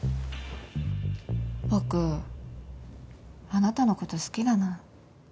僕あなたのこと好きだな。